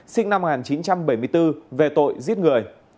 sinh năm một nghìn chín trăm bảy mươi bốn về tội giết người